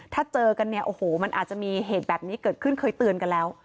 ถ้าเจอกันเนี่ยโอ้โหมันอาจจะมีเหตุแบบนี้เกิดขึ้นเคยเตือนกันแล้ว